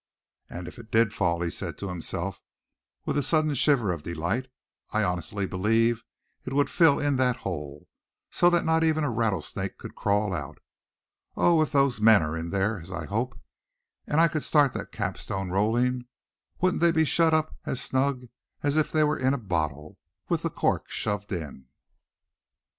"And if it did fall," he said to himself, with a sudden shiver of delight, "I honestly believe it would fill in that hole, so that not even a rattlesnake could crawl out. Oh! if those men are in there, as I hope, and I could start that cap stone rolling, wouldn't they be shut up as snug as if they were in a bottle, with the cork shoved in?"